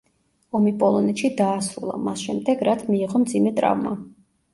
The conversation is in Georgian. ომი პოლონეთში დაასრულა, მას შემდეგ, რაც მიიღო მძიმე ტრავმა.